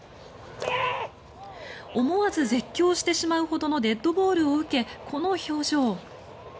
思わず絶叫してしまうほどのデッドボールを受け、この表情。